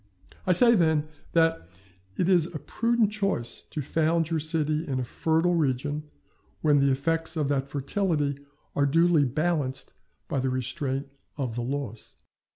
I say, then, that it is a prudent choice to found your city in a fertile region when the effects of that fertility are duly balanced by the restraint of the laws.